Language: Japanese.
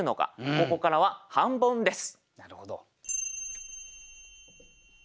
ここからは半ボンです。